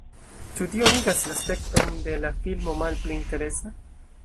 Ĉu tio igas la spekton de la filmo malpli interesa?